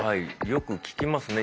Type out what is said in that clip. よく聞きますね。